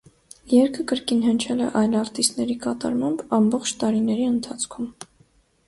Երգը կրկին հնչել է այլ արտիստների կատարմամբ, ամբողջ տարիների ընթացքում։